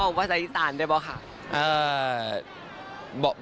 ว่าของภาษาอีสานได้เปล่าค่ะ